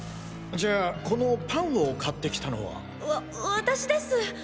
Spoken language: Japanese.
じゃあこのパンを買って来たのは？わ私です。